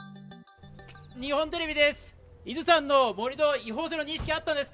日本テレビです。